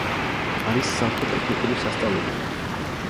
არის სამთო ტექნიკური სასწავლებელი.